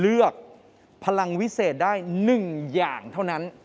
เลือกพลังวิเศษได้๑อย่างเท่านั้น